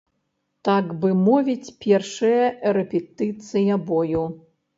Так бы мовіць першая рэпетыцыя бою.